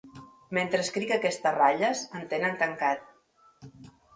Mentre escric aquestes ratlles, em tenen tancat.